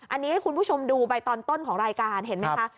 อันนี้ให้คุณผู้ชมดูไปตอนต้นของรายการเห็นไหมคะ